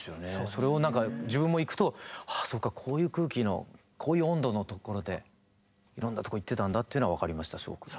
それをなんか自分も行くとああそうかこういう空気のこういう温度の所でいろんなとこ行ってたんだっていうのが分かりましたすごく。